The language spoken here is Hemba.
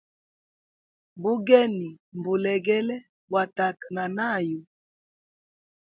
Bugeni mbulegele bwa tata na nayu.